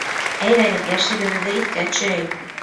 Әйҙәгеҙ, йәшлегебеҙҙе иҫкә төшөрәйек